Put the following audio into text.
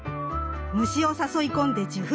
虫を誘い込んで受粉。